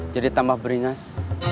jadi tambah beringas